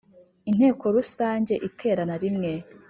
Inteko Rusange Iterana Rimwe